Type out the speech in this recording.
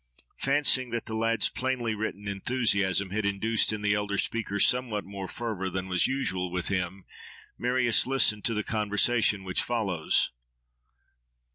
Fancying that the lad's plainly written enthusiasm had induced in the elder speaker somewhat more fervour than was usual with him, Marius listened to the conversation which follows.